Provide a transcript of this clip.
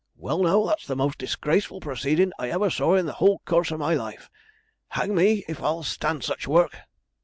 'Well now, that's the most disgraceful proceedin' I ever saw in the whole course of my life. Hang me, if I'll stand such work!